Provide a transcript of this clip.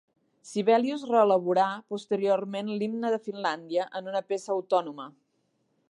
Sibelius reelaborà posteriorment l'himne de Finlàndia en una peça autònoma.